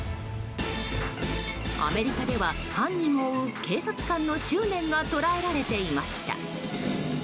アメリカでは犯人を追う警察官の執念が捉えられていました。